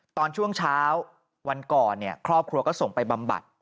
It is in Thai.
ตอนช่วงเช้าวันก่อนเนี่ยครอบครัวก็ส่งไปบำบัด